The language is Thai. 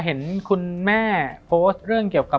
เห็นคุณแม่โพสต์เรื่องเกี่ยวกับ